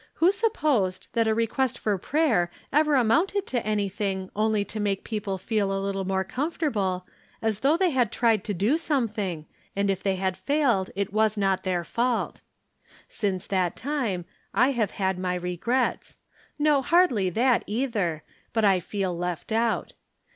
Who supposed that a re quest for prayer ever amounted to anything only to make people feel a little more comfortable, as though they had tried to do something, and if they had failed it was not their fault. Since that time I have had my regrets — ^no, hardly that, either, but I feel left out.